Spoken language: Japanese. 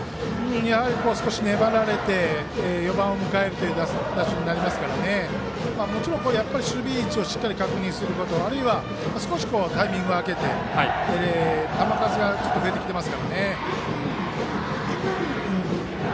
やはり、粘られて４番を迎える打順になるのでもちろん、守備位置をしっかり確認することあるいは少しタイミングを空けてちょっと球数が増えてきていますのでね。